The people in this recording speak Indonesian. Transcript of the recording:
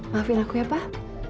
maafin aku ya pak